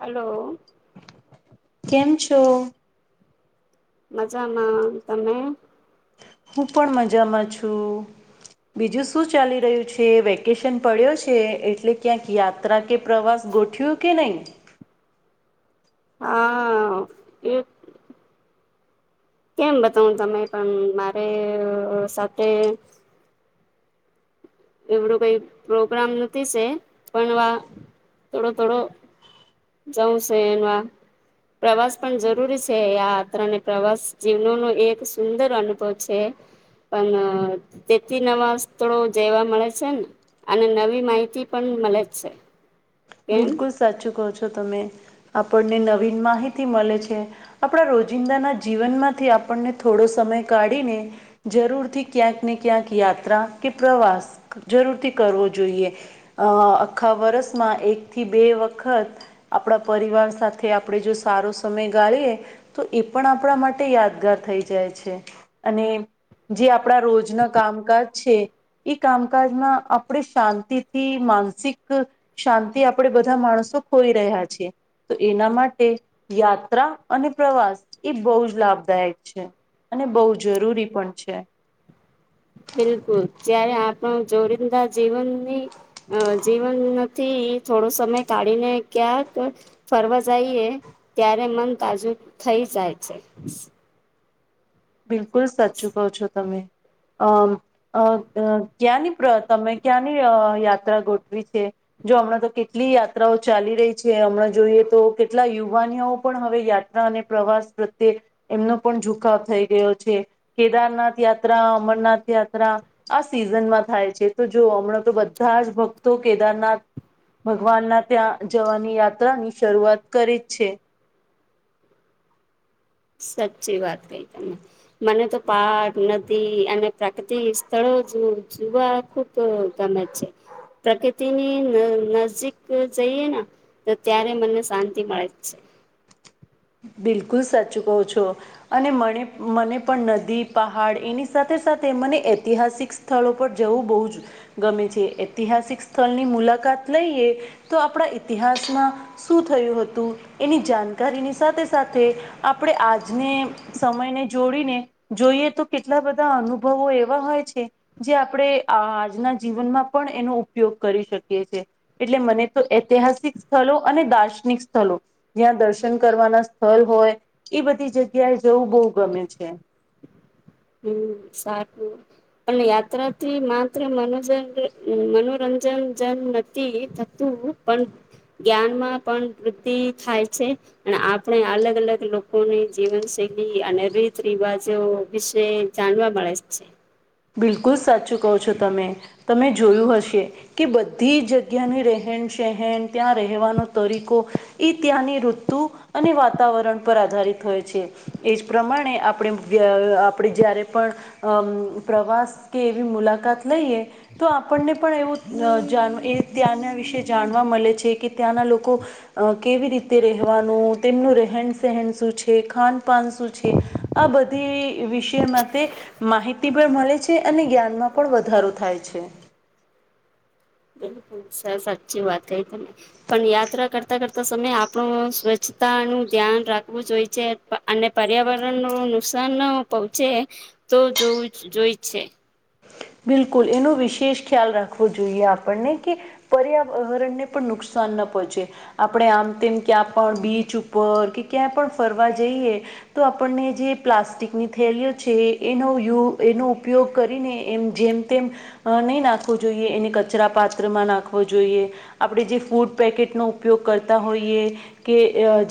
હાલો કેમ છો મજામાં તમે હું પણ મજામાં છું બીજું શું ચાલી રહ્યું છે વેકેશન પડ્યો છે એટલે ક્યાંક યા ત્રા કે પ્રવાસ ગોઠય્યું કે નહીં હા એક કેમ બતાવ તમે પણ મારે સાથે એવડું કઈ પ્રોગ્રામ નથી છે પણ આ થોડો થોડો. જઉં છે એમાં પ્રવાસ પણ જરૂરી છે આયાત્રા ને પ્રવાસ જીવનો ન એક સુંદર અનુભવ છે. પણ તેથી નવા થોડો. જેેવા મળે છે ને અને નવી માહિતી પણ મળે છે. કેમ બિલકુલ સાચું કહો છો તમે આપણને નવીન માહિતી મળે છે. આપણા રોજિંદાના જીવનમાંથી આપણને થોડો સમય કાઢીને. જરૂરથી ક્યાંક ને ક્યાંક યાત્રા કે પ્રવાસ જરૂરથી કરવો જોઈએ આખા વરસમાં એકથી બે વખત આપણા પરિવાર સાથે આપણે જો સારો સમય ગાળીએ. તો એ પણ આપણા માટે યાદગાર થઈ જાય છે અને જે આપણા રોજના કામકાજ છે. એ કામકાજમાં આપણે શાંતિથી માનસિક શાંતિ થી આપણે બધા માણસો ખોઈ રહ્યા છીએ. તો એના માટે યાત્રા અને પ્રવાસ એ બહુ જ લાભદાયક છે. અને બહુ જરૂરી પણ છે. બિલકુલ જય્યારે આપણો જોડીદા જીવનની અ જીવન નથી થોડો સમય કાઢીને ક્યાંક ફરવા જઈએ ત્યારે મન તાજું થઈ જાય છે. બિલકુલ સાચું કહો છો તમે અમ અ ક્યાંની તમે ક્યાંની યાત્રા ગોઠવી છે. જો હમણાં તો કેટલી યાત્રાઓ ચાલી રહી છે હમણાં જોઈએ તો કેટલા યુવાનીઓ પણ હવે યા અને પ્રવાસ પ્રત્યે એમનો પણ ઝુકાવ થઈ ગયો છે. કેદારનાથ યાત્રા અમરનાથ યાત્ર આ સિઝનમાં થાય છે તો જો હમણાં તો બધા જ ભક્તો કેદારનાથમાં ભગવાનના ત્યાં જવાની યાત્રા ની શરૂઆત કરી જ છે. સાચી વાત કહી તને. મને તો પક નદી અને પ્રાકૃતિક સ્થળો જોવા ખુબ તો ગમે જ છે પ્રકૃતિની નજીક જઈએ ને તો ત્યારે મને શાંતિ મળે જ છે. બિલકુલ સચ કહો છો. અને મ મને પણ નદી પહાડ એની સાથે સાથે મને ઐતિહાસિક સ્થળો પર જવું બહુ જ ગમે છે ઐતિહાસિક સ્થળની મુલાકાત લઈએ તો આપણા ઈતિહાસમાં શું થયું હતું એની જાણકારીની સાથે સાથે આપણે આજને સમયને જોડીને જોઈએ તો કેટલા બધા અનુભવો એવા હોય છે. જે આપણે આજના જીવનમાં પણ એનો ઉપયોગ કરી શકીએ છ છે. એટલે મને તો ઐતિહાસિક સ્થળ અને દાર્શનિક સ્થળો જ્યાં દર્શન કરવાના સ્થળ હોય એ બધી જગ્યાએ જવું બહુ ગમે છે. હુ સારુ. પણ યાત્રાથી માત્ર મનોજન મનોરંજન જેન નથી થતું. પણ જ્ઞાન માં પણ વૃદ્ધિ થાય છે. અને આપણે અલગ અલગ લોકોની જીવનશૈલી અને રીત રિવાજો વિશે જાણવા મળે છે. બિલકુલ સાચું કહ છો તમે તમે જોયું હશે. કે બધી જગ્યાની રહેન સહેન ત્યાં રહેવાનો તરીકો. એ ત્યાંની ઋતુ અને વાતાવરણ પર આધારિત હોય છે. એજ પ્રમાણે આપણે આપણે જારે પણ અમ પ્રવાસ કે એવી મુલાકાત લઈએ. તો આપણને પણ એવું અ જાન એ ત્યાંના વિશે જાણવા મળે છે કે ત્યાંના લોકો અ કેવી રીતે રહેવાનું, તેમનું રહેન સેહન શું છે, ખાન પાન શું છે. આ બધી વિષય મતે માહિત તી પણ મલે છે. અને જ્ઞાનમાં પણ વધારો થાય છે. ખૂબ સર સાચી વાત કહી તમે. પણ યાત્રા કરતા કરતા સમયે આપણો સ્વચ્છતાનું ધ્યાન રાખવું જોઈએ છે. અને પર્યાવરણનું નુકસાન ન પહોંચે તો જોવું જોઈ છે. બિલકુલ એનો વિશેષ ખ્યાલ રાખવો જોઈએ આપણને કે પર્યાવરણને પણ નુકસાન ન પહોંચે. આપણે આમ તેમ ક્યાં પણ બીચ ઉપર કે ક્યાં પણ ફરવા જઈએ. તો આપણને જે પ્લાસ્ટિકની થેલીઓ છે એનો યુ એનો ઉપયોગ કરીને એમ જેમ તેમ નહીં નાખવું જોઈએ, એને કચરા પાત્રમાં નાખવો જોઈએ. આપણે જે ફૂડ પેકેટનો ઉપયોગ કરતા હોઈએ. કે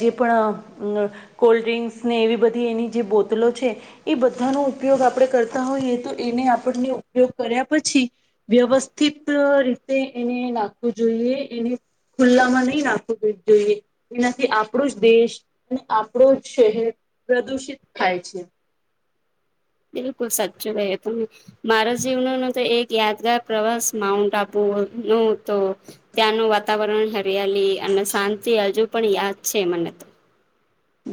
જે પણ કોલ્ડ્રિંક્સ ને એવી બધી એની જે બોતલો છે. એ બધાનો ઉપયોગ આપણે કરતા હોઈએ તો એને આપણને ઉપયોગ કર્યા પછી. વ્યવસ્થિત રીતે એને નાખવું જોઈએ, એને ખુલ્લામાં નહી નાખવું જોઈએ એનાથી આપણો જ દેશ અને આપડો જ શહેર પ્રદુષિત થાય છે. બિલકુલ સાચું કહ્યું તમે. મારા જીવનો ન તો એક યાદગાર પ્રવાસ માઉન્ટ આબુ નું તો ત્યાંનું વાતાવરણ, હરિયાલી અને શાંતિ હજુ પણ યાદ છે મને તો.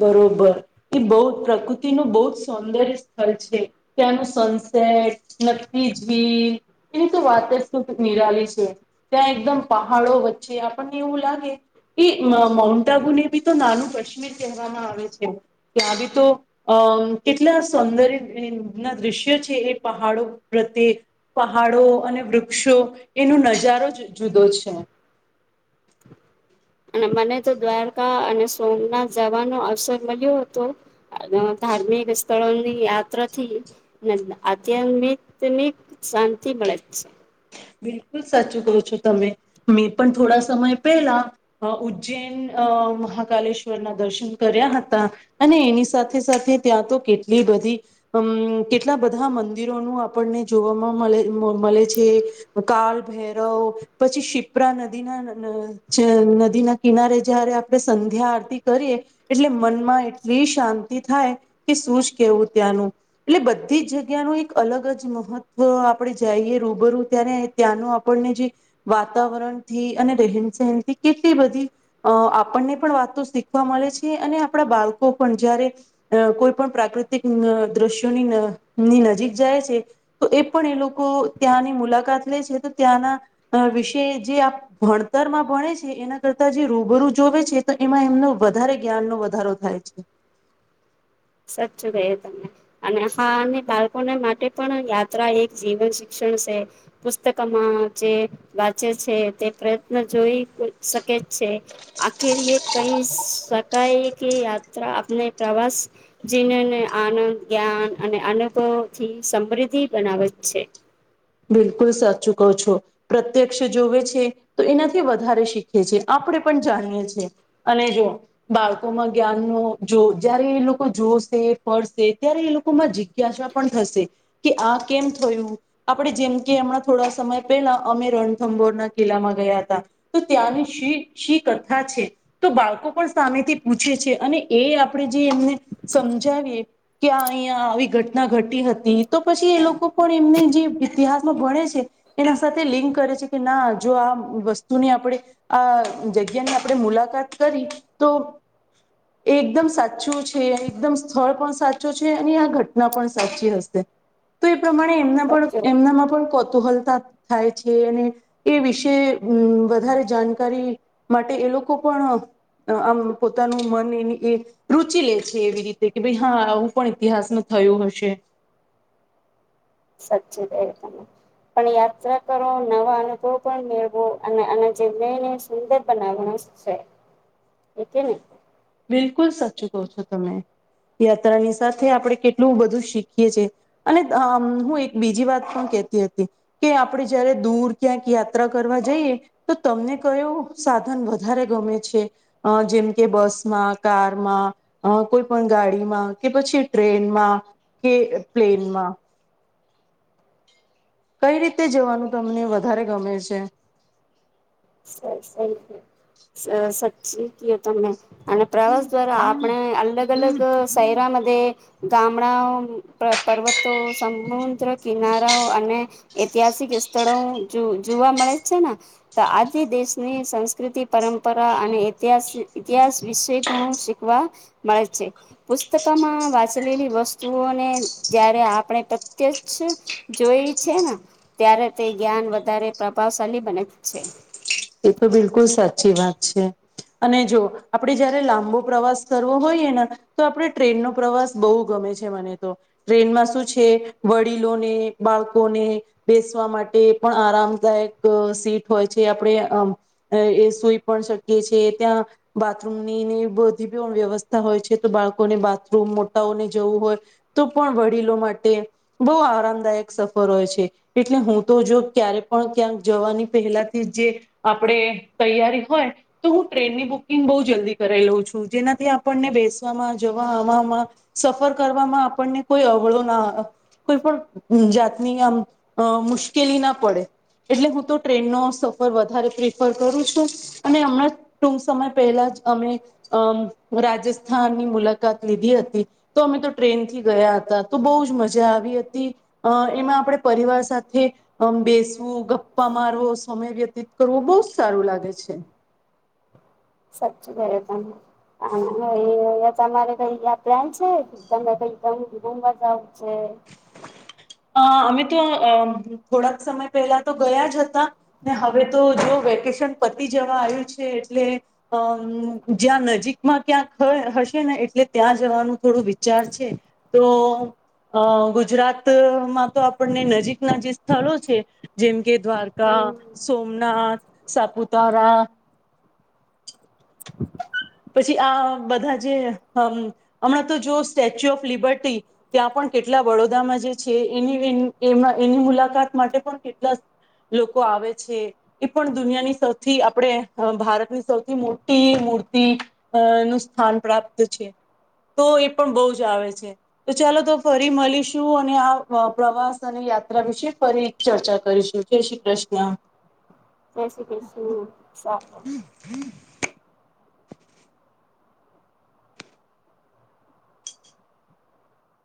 બરોબર એ બહુ પ્રકૃતિનું બહુ જ સૌંદર્ય સ્થલ છે. ત્યાંનું સનસેટ નક્કી જ [inaudible] એની તો વાત શું નિરાલી છે. ત્યાં એકદમ પહાડો વચ્ચે આપણને એવું લાગે એ માઉ માઉન્ટ આબુને બી તો નાનું કશ્મીર કહેવામાં આવે છે. ત્યાં બી તો અમ કેટલા સૌંદર્યના દ્રશ્ય છે એ પહાડો પ્રત્યે. પહાડો અને વૃક્ષો એનો નજારો જ જુદો છે. અને મને તો દ્વારકા અને સોમનાથ જવાનો અવસર મળ્યો હતો. આવા ધાર્મિક સ્થળોની યાત્રાથી આધ્યાત્મિકમની શાંતિ મળે જ છે. બિલકુલ સાચું કહો છો તમે. મેં પણ થોડા સમય પહેલા. અ ઉજ્જૈન અ મહાકાલેશ્વરના દર્શન કર્યા હતા. અને એની સાથે સાથે ત્યાં તો કેટલી બધી અમ કેટલા બધા મંદિરોનું આપણને જોવામાં મલે મલે છે. કાલભૈરવ પછી શિપ્રા નદીના જ નદીના કિનારે જયારે આપણે સંધ્યા આરતી કરીએ. એટલે મનમાં એટલી શાંતિ થાય કે શું જ કેવું ત્યાંનું. એટલે બધી જ જગ્યાનું એક અલગ જ મહત્વ આપડે જાઈએ રૂબરૂ ત્યારે ત્યાંનું આપણને જે વાતાવરણથી અને રહેન સહેનથી કેટલી બધી અ આપણને પણ વાતો શીખવા મળે છે. અને આપણા બાળકો પણ જ્યારે અ કોઈ પણ પ્રાકૃતિક દ્રશ્યોની ની નજીક જાય છે. તો એ પણ એ લોકો ત્યાંની મુલાકાત લે છે તો ત્યાંના અ વિશે જે આ ભણતરમાં ભણે છે એના કરતા જે રૂબરૂ જોવે છે. તો એમાં એમનો વધારે જ્ઞાનનો વધારો થાય છે. સાચું કહ્યું તમને. અને હા અને બાળકોને માટે પણ યાત્રા એક જીવન શિક્ષણ સે. પુસ્તકમાં જે વાંચે છે તે પ્રયત્ન જોઈ શકે જ છે. આખિર એ કહી શકાય કે યાત્રા આપને પ્રવાસ જીનને આનંદ, જ્ઞાન અને અનુભવથી સમૃદ્ધિ બનાવે છે. બિલકુલ સાચુ કહો છો. પ્રત્યક્ષ જોવે છે તો એનાથી વધારે શીખે છે આપણે પણ જાણીએ છી અને જુઓ. બાળકોમાં જ્ઞાન નો જો જય્યારે એ લોકો જોશે પડશે ત્યારે એ લોકોમાં જ. જીગયા પણ થશે કે આ કેમ થયું. આપણે જેમ કે હમણાં થોડા સમય પહેલા અમે રણથંભોરના કિલ્લામાં ગયા હતા. તો ત્યાંની શ શી કથા છે. તો બાળકો પણ સામેથી પૂછે છે અને એ આપણે જે એમને સમજાવીએ કે્યા અહીંયા આવી ઘટના ઘટી હતી તો પછી એ લોકો પણ એમને જે ઇતિહાસમાં ભણે છે એના સાથે લિંક કરે છે કે ના જો આ વસ્તુને આપણેે આ જગ્યાની આપણે મુલાકાત કરી તો [inaudible] એ એકદમ સાચું છે એકદમ સ્થળ પણ સાચું છે અને આ ઘટના પણ સાચી હશે તો એ પ્રમાણે એમના પણ સાચું એમનામાં પણ કુતુહલતા થાય છે અને એ વિશે વધારે જાણકારી માટે એ લોકો પણ આમ પોતાનું મન એ એ રુચિ લે છે એવી રીતે કે ભાઈ હા આવું પણ ઇતિહાસમાં થયયો હશે સાચે કહ્યું તમે પણ યાત્રા કરો નવા અનુભવ પણ મેળવો અને આના જીવનને સુંદર બનાવ છે હેકે ની બિલકુલ સાચું કો છો તમે યાત્રાની સાથે આપણે કેટલું બધું શીખીએ છેએ અને અમ હું એક બીજી વાત પણ કેતી હતી કે આપડે જયારે દૂર ક્યાંક યાત્રા કરવા જઈએ તો તમને કયું સાધન વધારે ગમે છે જેમ કે બસ કારમાં કોઈ પણ ગાડીમાં કે પછી ટ્રેનમાં કે પ્લેન માં કઈ રીતે જવાનું તમને વધારે ગમે છે સ છે સાચી ક તમને અને પ્રવાસ દ્વારા આપણે અલગ અલગ શૈરા મ ગામડાઓ પર્વતો સમુદ્ર કિનારાઓ અને ઐતિહાસિક સ્થળો જોવા મળે છે ને તો આજ થી દેશની સંસ્કૃતિ પરંપરા અને ઇતિાસ ઇતિહાસ વિશે ઘણું શીખવા મળે છે પુસ્તકમાં વાચ ચલેલી વસ્તુઓને જયારે આપણે પ્રત્યક્ષ જોઈ છે ને ત્યારે તે જ્ઞાન વધારે પ્રભાવશાળલી બને છે એ તો બિલકુલ સાચી વાત છે અને જો આપડે જયારે લાંબો પ્રવાસ કરવો હોઈએ ને તો આપણે ટ્રેનનોો પ્રવાસ બહુ ગમે છે મને તો ટ્રેનમાં શું છે વડીલોને બાળકોને બેસવા માટે પણ આરામદાયક સીટ હોય છે આપણે અમ એ શુઈ પણ શકીએ છીએ ત્યાં બાથરૂમની બધી વ્યવસ્થા હોય છે તો બાળકોને બાથરૂમ મોટાઓને જવું હોય તો પણ વડીલો માટે બહુ આરામદાયક સફર હોય છે એટલે હું તો જો ક્યારે પણ ક્યાંક જવાની પહેલાથી જે આપડે તૈયારી હોય તો હું ટ્રેનની બુકિંગ બહુ જલ્દી કરાવ લઉં છું જેનાથી આપણને બેસવામાં જવા આવામાં સફર કરવામાં આપણને કોઈ અવળો ના કોઈ પણ જાતની આમ મુશ્કેલી ના પડે એટલે હું તો ટ્રેન નો સફર વધારે પ્રિફર કરું છું અને હમણાં ટૂક સમય પહેલા જ અમે અમ રાજસ્થાનની મુલાકાત લીધી હતી તો અમે તો ટ્રેન થી ગયા હતા તો બહુ જ મજા આવી હતી અ એમાં આપણે પરિવાર સાથે બેસવું ગપ્પા મારવો સમય વ્યતી કરવું બહુ જ સારું લાગે છે સાચચી ગ તને તમારે ક પ્લાન છે તમે તોદમ બીધું મજા આવ છે અ અમે તો થોડાક સમય પહેલા તો ગયા જ હતા ને હવે તો જો વેકેશન પતી જવા આવ્યું છે એટલે અમ જ્યાં નજીકમાં ક્યાંક હશે ને એટલે ત્યાં જવાનું થોડું વિચાર છે તો અ ગુજરાત માં તો આપણને નજીકના જે સ્થળો છે જેમ કે દ્વારકા હમ સોમનાથ સાપુતારા પછી આ બધા જે હમણાં તો જો સ્ટેચ્યુ ઓફ લિબર્ટી ત્યાં પણ કેટલા વડોદરામાં જે છે એની એ એની મુલાકાત માટે પણ કેટલા લોકો આવે છે એ પણ દુનિયાની સૌથી આપણે ભારતની સૌથી મોટી મૂર્તિ અ નું સ્થાન પ્રાપ્ત છે તો એ પણ બહુ જ આવે છે તો ચાલો તો ફરી મળીશું અને આ પ્રવાસ અને યાત્રા વિશે ફરી ચર્ચા કરીશું જાય શ્રી ક્રિષ્ના જય શ્રી કૃષ્ણ સારૂ [inaudible]